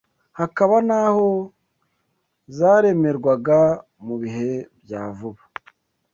hakaba n’aho zaremerwaga mu bihe bya vuba